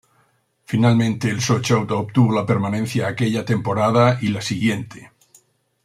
Finalmente, el Sochaux obtuvo la permanencia aquella temporada y la siguiente.